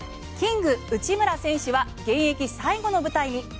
キング内村選手は現役最後の舞台に。